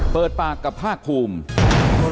เปิดปากกับภาคภูมิ